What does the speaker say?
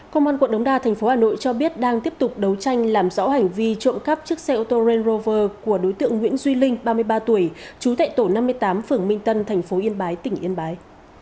công an quận đống đa tp hà nội cho biết đang tiếp tục đấu tranh làm rõ hành vi trộm cắt chiếc xe ô tô range rover của đối tượng nguyễn duy linh ba mươi ba tuổi chú tệ tổ năm mươi tám phường minh tân tp yên bái tỉnh yên bái